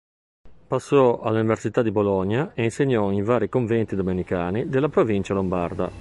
Passò all'Università di Bologna e insegnò in vari conventi domenicani della "Provincia Lombarda".